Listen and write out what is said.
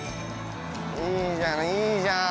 ◆いいじゃんいいじゃん。